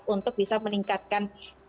untuk bisa meningkatkan